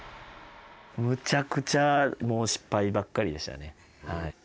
むちゃくちゃもう失敗ばっかりでしたね。